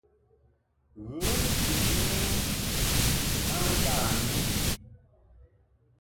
Ghə ncheʼni i ma ndâ ndu i.